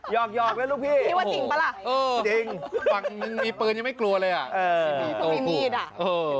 ยอกแล้วลูกพี่โอ้โฮจริงมีปืนยังไม่กลัวเลยอ่ะโอ้โฮ